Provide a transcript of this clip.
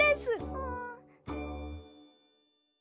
うん。